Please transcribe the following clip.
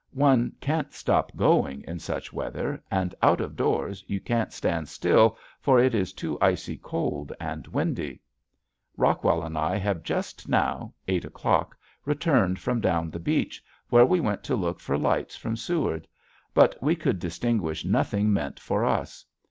One can't stop going in such weather, and out of doors you can't stand still for it is too icy cold and windy. Rockwell and I have just now, eight o'clock, returned from down the beach where we went to look for lights from Seward. But we could distinguish nothing meant for us.